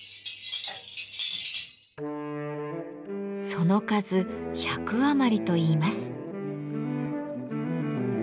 その数１００余りといいます。